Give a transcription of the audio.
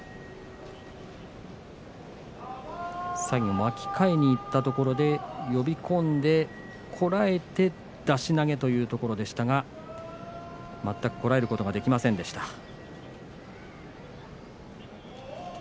最後、巻き替えにいったところで呼び込んでこらえて、出し投げというところでしたが全くこらえることができませんでした。